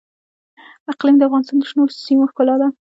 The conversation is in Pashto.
اقلیم د افغانستان د شنو سیمو ښکلا ده.